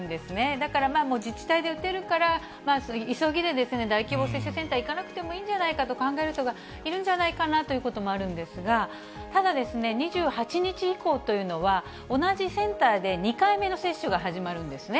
だから、自治体で打てるから、急ぎで大規模接種センター、行かなくてもいいんじゃないかと考える人がいるんじゃないかなということもあるんですが、ただ、２８日以降というのは、同じセンターで２回目の接種が始まるんですね。